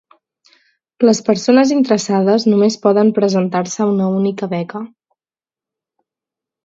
Les persones interessades només poden presentar-se a una única beca.